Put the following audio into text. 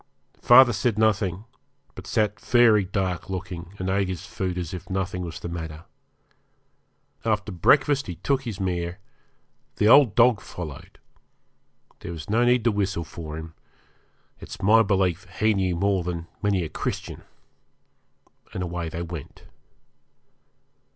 Father said nothing, but sat very dark looking, and ate his food as if nothing was the matter. After breakfast he took his mare, the old dog followed; there was no need to whistle for him it's my belief he knew more than many a Christian and away they went.